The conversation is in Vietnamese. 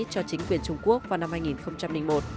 cho chính quyền trung quốc vào năm hai nghìn một